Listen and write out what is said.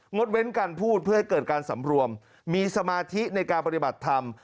ดเว้นการพูดเพื่อให้เกิดการสำรวมมีสมาธิในการปฏิบัติธรรม